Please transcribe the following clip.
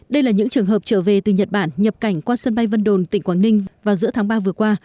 đây là những trường hợp trở về từ nhật bản nhập cảnh qua sân bay vân đồn tỉnh quảng ninh vào giữa tháng ba vừa qua